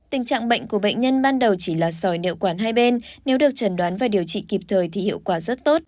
tình trạng bệnh của bệnh nhân ban đầu chỉ là sòi nệu quản hai bên nếu được trần đoán và điều trị kịp thời thì hiệu quả rất tốt